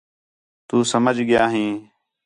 تُو سمجھ ڳِیا ہین